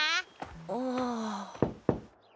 ああ。